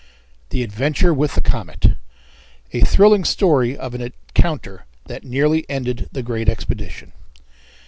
The Adventure With The Comet. A Thrilling Story of an Encounter that Nearly Ended the Great Expedition.